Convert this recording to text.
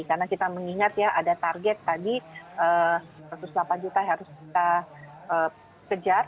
karena kita mengingat ya ada target tadi satu ratus delapan juta yang harus kita kejar